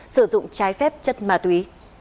sử dụng trái phép chất ma túy